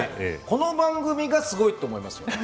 この番組がすごいと思います。